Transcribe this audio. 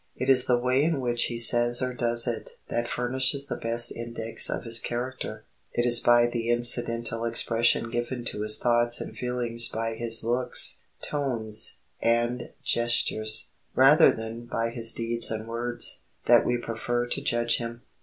It is the way in which he says or does it that furnishes the best index of his character. It is by the incidental expression given to his thoughts and feelings by his looks, tones, and gestures, rather than by his deeds and words, that we prefer to judge him.